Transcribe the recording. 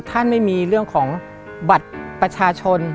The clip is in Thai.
ท่านไม่มีเรื่องของบัตรประชาชน